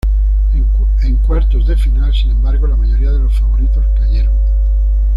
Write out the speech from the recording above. En cuartos de final, sin embargo, la mayoría de los favoritos cayeron.